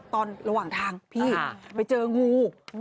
ระหว่างทางพี่ไปเจองู